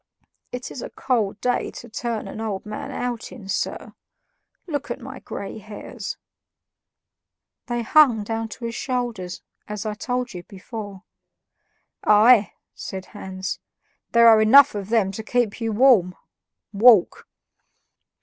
"It is a cold day to turn an old man out in, sir; look at my gray hairs." They hung down to his shoulders, as I told you before. "Aye!" said Hans; "there are enough of them to keep you warm. Walk!"